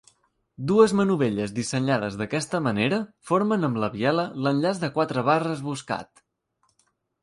Dues manovelles dissenyades d'aquesta manera formen amb la biela l'enllaç de quatre barres buscat.